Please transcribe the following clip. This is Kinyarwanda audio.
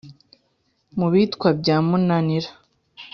mu bitwa bya munanira.